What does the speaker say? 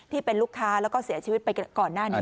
ที่เป็นลูกค้าแล้วก็เสียชีวิตไปก่อนหน้านี้